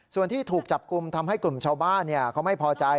ส่วนที่ถูกจับกลุ่มทำให้กลุ่มชาวบ้านเขาไม่พอใจ